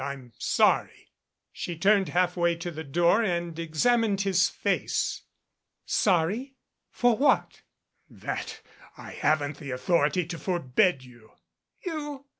"I'm sorry " She turned, halfway to the door and examined his face. "Sorry? For what?" "That I haven't the authority to forbid you." "You?"